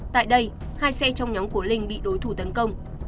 tại đây hai xe trong nhóm của linh bị đối thủ tấn công